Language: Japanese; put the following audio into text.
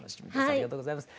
ありがとうございます。